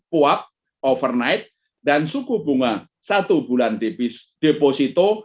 puap overnight dan suku bunga satu bulan deposito